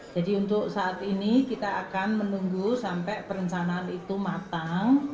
jadi untuk saat ini kita akan menunggu sampai perencanaan itu matang